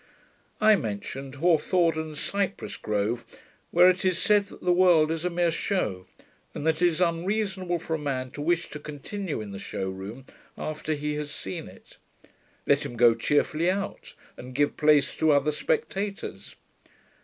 I mentioned Hawthornden's Cypress Grove, where it is said that the world is a mere show; and that it is unreasonable for a man to wish to continue in the show room, after he has seen it. Let him go cheerfully out, and give place to other spectators.